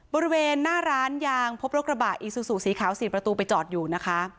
บริเวณหน้าร้านยางพบรถกระบะอีซูซูสีขาว๔ประตูไปจอดอยู่นะคะ